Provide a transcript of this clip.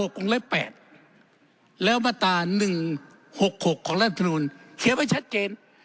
๒๕๖กรุงเล็บ๘แล้วบรรตา๑๖๖ของรัฐภาคมนุญเขียนไว้ชัดเจน